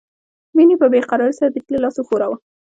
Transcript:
مينې په بې قرارۍ سره د هيلې لاس وښوراوه